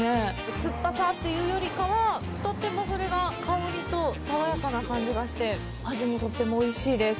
酸っぱさというよりかはとってもそれが香りと爽やかな感じがして味もとってもおいしいです。